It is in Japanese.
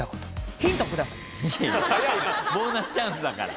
ボーナスチャンスだから。